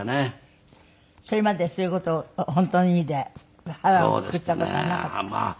それまでそういう事本当の意味で腹をくくった事はなかった？